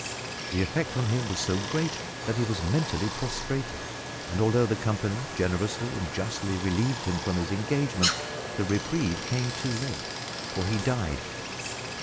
The effect on him was so great that he was mentally prostrated, and although the company generously and justly relieved him from his engagement, the reprieve came too late, for he died.